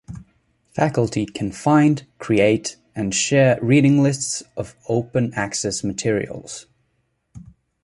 Faculty can find, create, and share reading lists of open access materials.